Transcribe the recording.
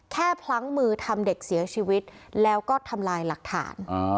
พลั้งมือทำเด็กเสียชีวิตแล้วก็ทำลายหลักฐาน